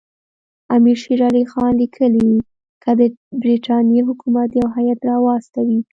امیر شېر علي خان لیکي که د برټانیې حکومت یو هیات راواستوي.